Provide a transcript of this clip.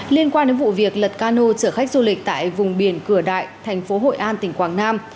liên quan đến vụ việc lật cano chở khách du lịch tại vùng biển cửa đại thành phố hội an tỉnh quảng nam